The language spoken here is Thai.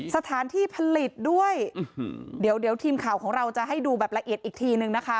สถานที่ผลิตด้วยเดี๋ยวเดี๋ยวทีมข่าวของเราจะให้ดูแบบละเอียดอีกทีนึงนะคะ